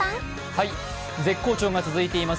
絶好調が続いています